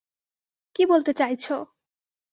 কী বলতে চাইছো?